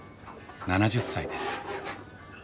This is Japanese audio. ７０歳です。